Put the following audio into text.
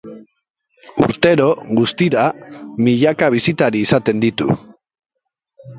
Urtero, guztira, milaka bisitari izaten ditu.